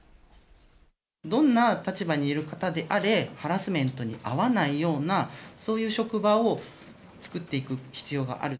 どんな立場にいる方であれ、ハラスメントに遭わないような、そういう職場を作っていく必要がある。